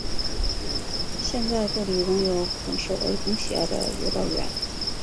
现在这里仍有很受儿童喜爱的游乐园。